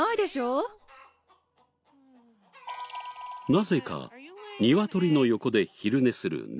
なぜかニワトリの横で昼寝する猫。